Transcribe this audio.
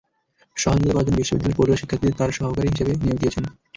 সহযোগিতা করার জন্য বিশ্ববিদ্যালয়ে পড়ুয়া শিক্ষার্থীদের তাঁরা সহকারী হিসেবে নিয়োগ দিয়েছেন।